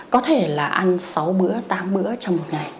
có thể là ăn sáu bữa tám bữa trong một ngày